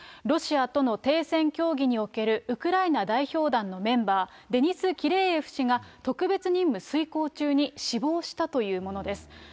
ロシアとの停戦協議におけるウクライナ代表団のメンバー、デニス・キレーエフ氏が、特別任務遂行中に死亡したというものです。